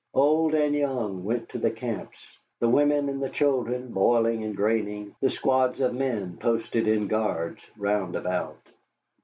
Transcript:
Old and young went to the camps, the women and children boiling and graining, the squads of men posted in guards round about.